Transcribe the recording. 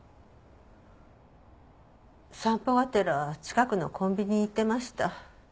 散歩がてら近くのコンビニに行ってました。